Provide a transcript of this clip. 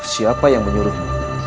siapa yang menyuruhmu